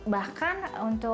bahkan untuk bersihin tisu basah